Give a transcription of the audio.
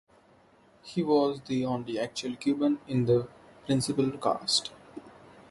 He was the only actual Cuban in the principal cast.